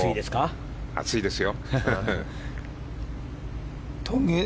暑いですよ。